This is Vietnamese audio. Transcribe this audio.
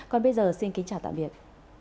còn bây giờ xin kính chào tạm biệt